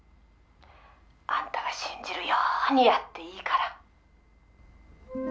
「アンタは信じるようにやっていいから」